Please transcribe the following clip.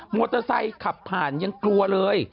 เตอร์ไซค์ขับผ่านยังกลัวเลย